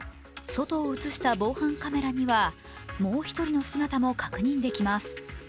外を映した防犯カメラにはもう一人の姿を確認できます。